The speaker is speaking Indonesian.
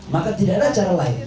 maka tidak ada cara lain